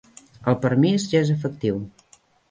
El permís ja és efectiu.